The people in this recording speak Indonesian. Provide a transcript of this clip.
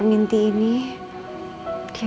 tidak ada apa apa